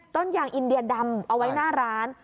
ต้นยางอินเดียดำเอาไว้หน้าร้าน